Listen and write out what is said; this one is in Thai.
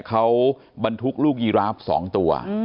เขาบรรทุกลูกยีราฟ๒ตัว